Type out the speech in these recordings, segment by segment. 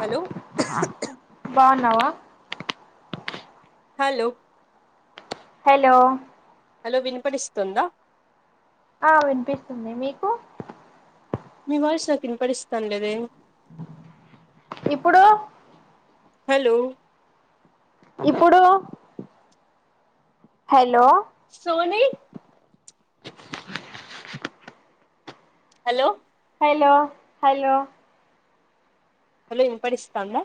Hello బావున్నావా hello hello hello వినిపడిస్తుందా ఆ వినిపిస్తుంది మీకు మీ వాయిస్ నాకు వినపడిస్తాంన్లేదే ఇప్పుడు హలో ఇప్పుడు హలో సోని అ హలో హలో హలో హలో ఇనపడిస్తాందా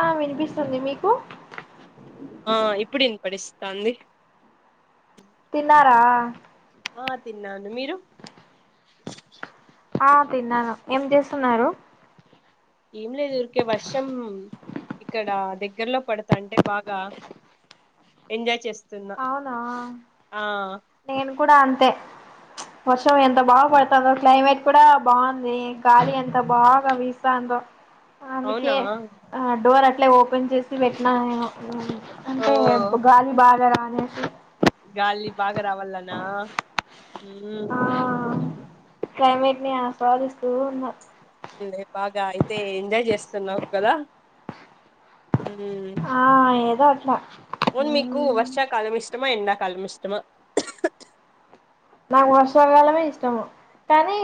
ఆ వినిపిస్తుంది మీకు ఆ ఇప్పుడు ఇనపడిస్తాంది తిన్నారా ఆ తిన్నాను మీరు ఆ తిన్నాను ఏం చేస్తున్నారు ఏం లేదు ఉరికే వర్షం ఇక్కడ దగ్గరలో పడతా అంటే బాగా ఎంజాయ్ చేస్తున్నా అవునా ఆ నేను కూడా అంతే వర్షం ఎంత బాగా పడుతాందో క్లైమేట్ కూడా బాంది గాలి ఎంత బాగా వీస్తా ఉందో అందుకే అవునా ఆ డోర్ అట్లే ఓపెన్ చేసి పెట్నా నేను ఓ అంటే గాలి బాగా రానేసి గాలి బాగా రావల్లా అనా హ్మ్ ఆ క్లైమేట్ ని ఆస్వాదిస్తూ ఉన్నా ఫులే బాగా అయితే ఎంజాయ్ చేస్తున్నావు కదా హ్మ్ ఆ ఏదో అట్లా ఉన్ మీకు వర్షాకాలం ఇష్టమా ఎండాకాలం ఇష్టమా నాకు వర్షాకాలమే ఇష్టము కానీ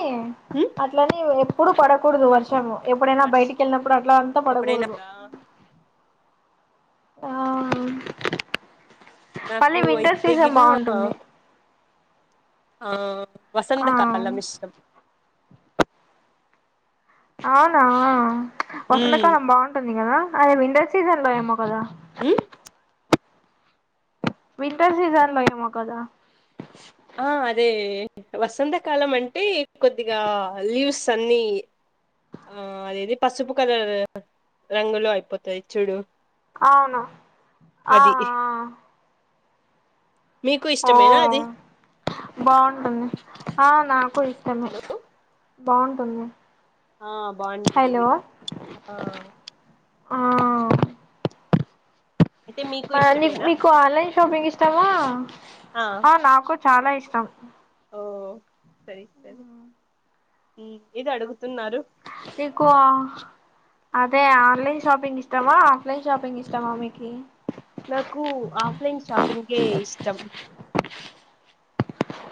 హ్మ్ అట్లనే ఎప్పుడు పడకూడదు వర్షము ఎప్పుడైనా వర్ష బయటికి వెళ్ళినప్పుడు అట్ల అంతా ఎప్పుడైనా పడకూడదు ఆ ఓక మళ్ళీ నాకు వింటర్ సీజన్ అయితేగిన బాగుంటుంది ఆ ఆ వసంతకాలం ఇష్టం అవునా ఉమ్ వసంతకాలం బాగుంటుంది కదా అది వింటర్ సీజన్ లో ఏమో కదా హ్మ్ వింటర్ సీజన్ లో ఏమో కదా ఆ అదే వసంతకాలం అంటే కొద్దిగా లీవ్స్ అన్ని ఆ అదేది పసుపు కలర్ రంగులో అయిపోతది చూడు అవును ఆ అది ఆ మీకు ఆ ఇష్టమేనా అది ఓ బాగుంటుంది ఆ నాకు ఇష్టమే హలో బాగుంటుంది ఆ బాగుంటుంది హలో ఆ ఆ అయితే మీకు మరి అన్ని ఇష్టమేనా మీకు ఆన్లైన్ షాపింగ్ ఇష్టమా ఆ నాకు చాలా ఇష్టం ఓ సరే సరే ఇది అడుగుతున్నారు ఎక్కువ అదే ఆన్లైన్ షాపింగ్ ఇష్టమా ఆఫ్లైన్ షాపింగ్ ఇష్టమా మీకి నాకు ఆఫ్లైన్ షాపింగ్కే ఇష్టం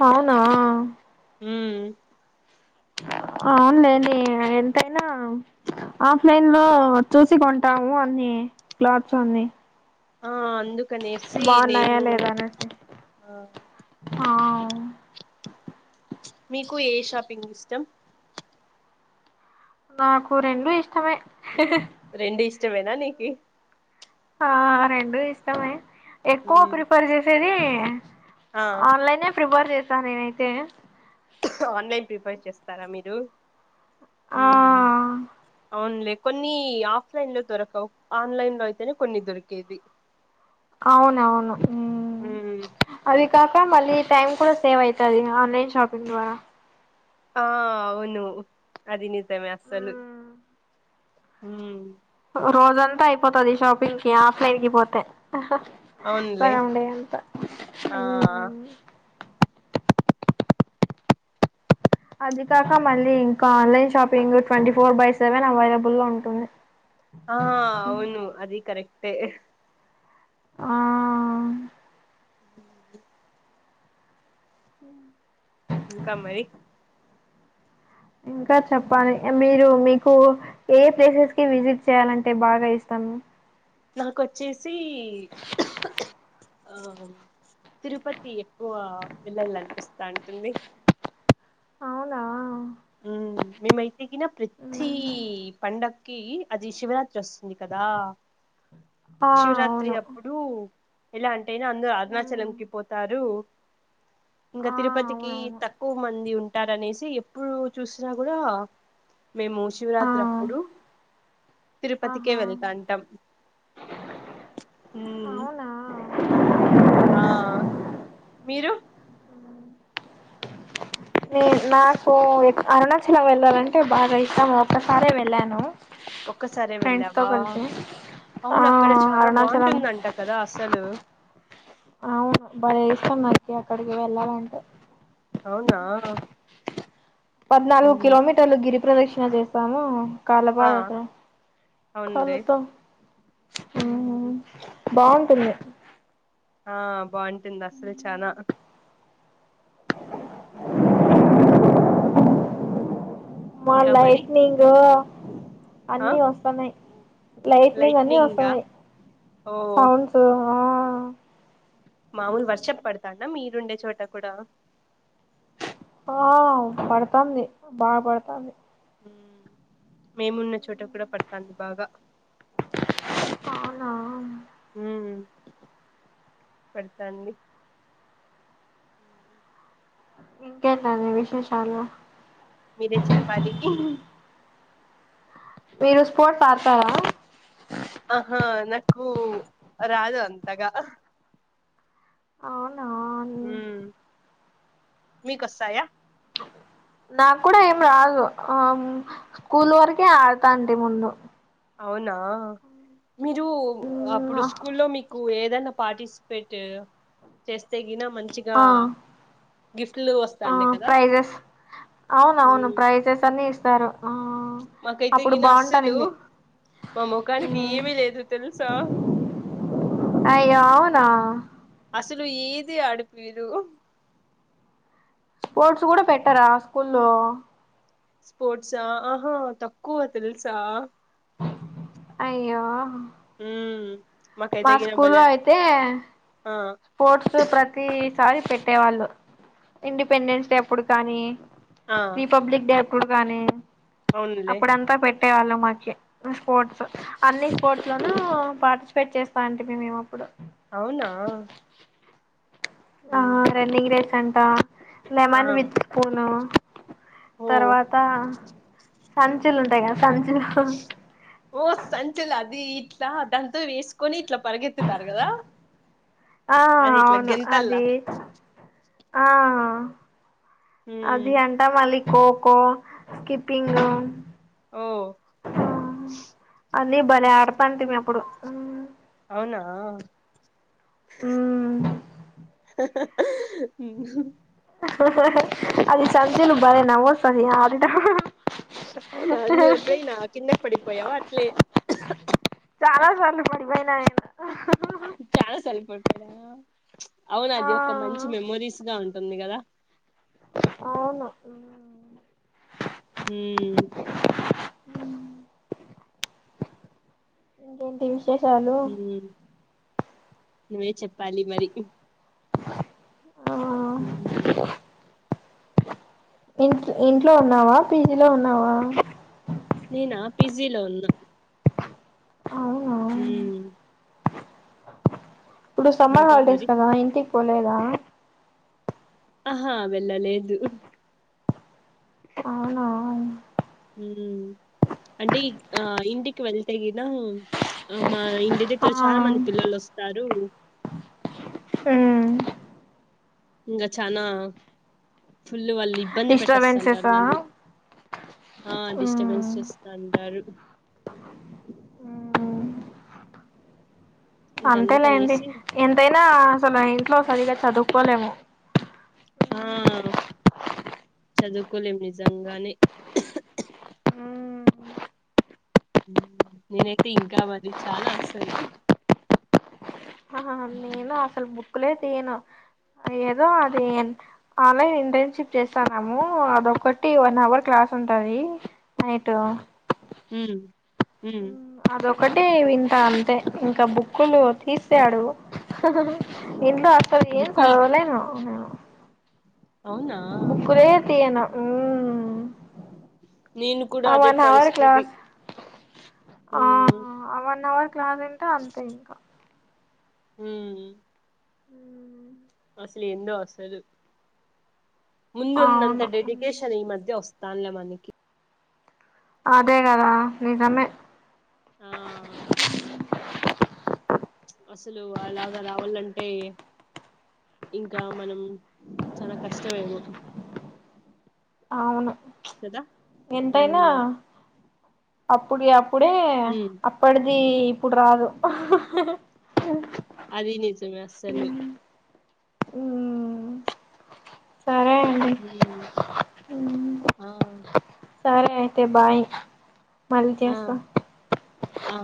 అవునా ఉమ్ అవునులేండి ఎంతైనా ఆఫ్లైన్ లో చూసి కొంటాము అన్ని క్లాత్స్ అన్ని ఆ అందుకనేసి బాగున్నాయా నేను లేదా అనేసి ఆ ఆ మీకు ఏ షాపింగ్ ఇష్టం నాకు రెండు ఇష్టమే రెండు ఇష్టమేనా నీకు ఆ రెండు ఇష్టమే ఎక్కువ ప్రిఫర్ చేసేది ఆ ఆన్లైనే ప్రిపేర్ చేశా నేనైతే ఆన్లైన్ ప్రిఫేర్ చేస్తారా మీరు ఆ ఉమ్ అవున్లే కొన్ని ఆఫ్లైన్ లో దొరకవు ఆన్లైనే అయితేనే కొన్ని దొరికేది అవును అవును ఉమ్ అవి కాక మళ్ళీ టైమ్ కూడా సేవ్ అవుతుంది ఆన్లైన్ షాపింగ్ ద్వారా ఆ అవును అది నిజమే అసలు ఉమ్ రోజంతా అయిపోతుది షాపింగ్ కి ఆఫ్లైన్ కి పోతే అవునులే సగం డే అంతా ఆ మ్ అది కాక మళ్ళీ ఇంకా online shopping twenty four by seven available లో ఉంటుంది ఆ అవును అది కరెక్ట్ టె ఆ ఉహు ఉమ్ ఇంకా మరి ఇంకా చెప్పాలి మీరు మీకు ఏ ప్లేసెస్ కి విజిట్ చేయ్యాలంటే బాగా ఇష్టము నాకు వచ్చేసి ఆహా తిరుపతి ఎక్కువ వెళ్ళాలి అనిపిస్తా ఉంటుంది అవునా ఉమ్ మేమైతేగాన ప్రతి పండగ కి అది శివరాత్రి వస్తుంది కదా ఆ శివరాత్రి అవును అప్పు డు ఎలా అంటయినా అందరూ అరుణాచలంకి పోతారు ఇంకా ఆ తిరుపతికి అవునవును తక్కువ మంది ఉంటారు అనేసి ఇప్పుడు చూసినా కూడా మేము ఆ శివరాత్రి అప్పుడు తిరుపతికే ఆహా వెళ్తాంటాం ఉమ్ అవునా ఆ మీరు నే నాకు అరుణాచలం వెళ్ళాలంటే బాగా ఇష్టాము ఒక్కసారే వెళ్ళాను ఒక్కసారే ఫ్రెండ్స్ తో వెళ్ళావా కలిసి ఆ అవును అక్కడ చాలా అరుణాచలం బాగుంటుందమ్ట కదా అసలు అవును బయ ఇష్టము మనకి అక్కడికి వెళ్ళాలంటే అవునా పద్నాలుగు ఉమ్ కిలోమీటర్లు గిరి ప్రదక్షిణ చేసాము కాల్ల ఆ పాదతో అవునులే కాల్తో ఊ ఉమ్, బాగుంటుంది ఆ బాగుంటుంది అస్సలు చానా మా ఇంకా మరి లైట్నింగ్ ఆ అన్నీ వస్తన్నాయ్ లైట్నింగ్ అన్ని వస్తన్నాయ్ ఓ ఒహో మామూల్ వర్షప్ పడతాందా మీరుండే చోట కూడా ఆ పడతైమది బా పడతాంది ఉమ్ మేమున్న చోట కూడా పడ్తాంది బాగా అవునా ఉమ్ పడ్తాంది ఇంకే టండి విశేషాలు? మీరే చెప్పాలి? మీరు స్పోర్ట్స్ ఆడ్తార? ఆహా నాకు రాదు అంతగా ఔనా ఉమ్ మీకోస్తాయా? నాకూడా ఏం రాదు ఆమ్ స్కూల్ వరకే ఆడతాంటి ముందు అవునా మీరు అప్పుడు స్కూల్లో మీక్ కు ఏదన్నా పార్టిసిపేటెడ్ చేస్తే గిన మంచి ఆ ఆ వస్తాండే కదా ప్రైజెస్ అవును అవును ఉమ్ ప్రైజెస్ అన్ని ఇస్తారు ఆ మాకైతే అప్పుడు ఈను అస్సలు బాగుంటానింది మా మొఖానికి ఏమీ లేదు తెల్సా? అయ్యో ఔనా? అస్సలు ఏది ఆడిపీదు స్పోర్ట్స్ కూడా పెట్టరా స్కూల్లో స్పోర్ట్సా ఆహా తక్కువ తెల్సా? అయ్యో ఉమ్ మాకైతే మా గిన స్కూల్లో బలే అయితే ఆ స్పోర్ట్స్ ప్రతిసారి పెట్టేవాళ్ళు ఇండిపెండెన్స్ డే అప్పుడు కానీ ఆ రిపబ్లిక్ డే అప్పుడు గానీ అవునులే అప్పుడంతా పెట్టేవాళ్ళు మాకి స్పోర్ట్స్ అన్ని స్పోర్ట్స్ లోనూ పార్ట్సిపేట్ చేస్తాంటిమి మేము అప్పుడు ఔనా ఆ రన్నింగ్ రేస్ అంటా, ఆ లెమన్ విత్ స్పూను ఓ తర్వాత సంచులు ఉంటాయ్ గదా సంచులు ఓ సంచుల అది ఇట్లా దాంతో వేసుకొని ఇట్లా పరిగెత్తుతారు కదా? ఆ అది ఇట్లా అవును గెంతల్లా అది ఆ అది ఉమ్ అంట మల్లి ఖో ఖో క్కిప్పింగ్ ఓ అన్నీ భలే ఆడతాంటిమి అప్పుడు అవునా? ఉమ్. హుమ్. అది సంచులు బలే నవ్వు ఓస్తది అదిద. అవునా నువ్వు ఎప్పుడైన కిందకి పడిపోయావా అట్లే. చాలా సార్లు పడిపోయినాయి. చాలా సార్లు పడిపోనయా అవును ఆ అది ఒక మంచి మెమరీస్ గా ఉంటుంది కదా. అవును. ఉమ్. డెంటి చూసి. ఉమ్ నువ్వే చెప్పాలి మరి. ఆ. హ్మ్. ఇంట్ ఇంట్లో ఉన్నావా పీజీలో ఉన్నావా. నేనా పిజీ లో ఉన్నా. అవునా ఉ. ఇప్పుడు సమ్మర్ ఇంకా హాలిడేస్ మరి కదా ఇంటికి పోలేదా. ఆహా వెళ్ళలేదు. అవునా. ఉ అంటే ఈ ఆ ఇంటికి వెళ్తే గిన. ఆ మా ఇంటి ఆ దగ్గర చాలా మంది పిల్లలు వస్తారు. ఉమ్. ఇంకా చనా ఫుల్ వాల్ని ఇబ్బంది పెట్టేస్త దాన్ని డిస్టర్బెన్సెసా నమ్మి. ఆ డిస్టర్బెన్స్ ఉమ్ చేస్తాంటారు. ఉమ్ అంతేలేండి ఇంకందుకనేసి ఎంతైనా అసలు ఇంట్లో సరిగా చదువుకోలేము. ఆ చదువుకోలేం నిజంగానే. ఉమ్. నేనైతే ఇంకా మరి చానా అస్సలు. ఆ నేను అసలు బుక్కులే తీయను ఏదో అది. ఆన్లైన్ ఇంటర్న్షిప్ చేస్తాన్నాము అదొక్కటి వన్ అవర్ క్లాస్ ఉంటది. నైటు. ఉం ఉం. అదొకటి వింటా అంతే ఇంకా బుక్కులు తీస్తే అడుగు. ఇంట్లో అస్సలు ఏం బుక్కుల్ సదవలేను. అవునా బుక్కులే తీయను ఉ. నేను కూడా ఆ అదే వన్ అవర్ పరిస్థితి క్లాస్ ఆ. ఉమ్ వన్ అవర్ క్లాస్ ఇంట అంతే ఇంకా. ఉమ్. ఉ అసలు ఎందొ అసలు. ముందున్నంత అవును డెడికేషన్ ఈ మధ్య వస్తానులే మనకి. అదే కదా నిజమే. ఆ. అసలు అలాగ రావాలంటే. ఇంకా మనం చాల కష్టమేమో. అవును కదా ఎంతైనా ఉమ్ అప్పుడి అప్. ప్పుడే ఉమ్ అప్పడిది ఇప్పుడు రాదు. అది నిజమే అస్సలు. ఊ సరే అండి ఊ ఆ సరే అయితే బాయ్ మళ్ళీ ఆ చేస్తా ఆ